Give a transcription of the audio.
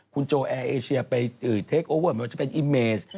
คุณโจแอร์เอเชียไปเทคโอเวอร์ไม่ว่าจะเป็นอิมเมส